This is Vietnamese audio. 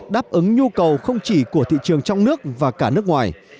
đáp ứng nhu cầu không chỉ của thị trường trong nước và cả nước ngoài